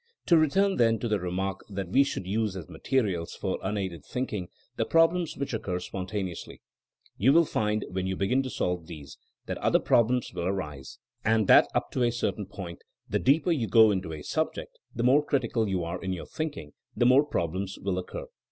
To return, then, to the remark that we should use as materials for unaided thinking the prob lems which occur spontaneously. You will find when you begin to solve these that other prob lems will arise, and that up to a certain point, the deeper you go into a subject — ^the more critical you are in your thinking — ^the more problems will occur.